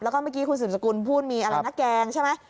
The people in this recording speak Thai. แล้วก็เมื่อกี้คุณสืบสกุลพูดมีอะไรนะแกงใช่ไหม